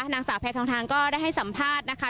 นางสาวแพทองทานก็ได้ให้สัมภาษณ์นะคะ